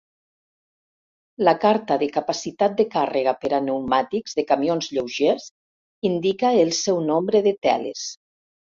La Carta de Capacitat de Càrrega per a pneumàtics de camions lleugers indica el seu nombre de teles.